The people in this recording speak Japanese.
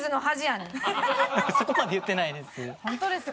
そこまで言ってないです。